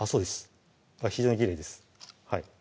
非常にきれいです